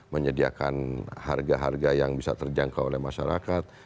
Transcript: menyediakan harga harga yang bisa terjangkau oleh masyarakat